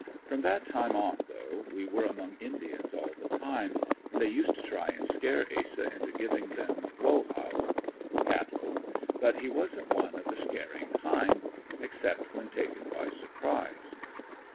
From that time on though we were among indians all the time; and they used to try and scare Asa into giving them "wo ha's," (cattle) but he wasn't one of the scaring kind except when taken by surprise.